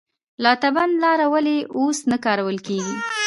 لاتابند لاره ولې اوس نه کارول کیږي؟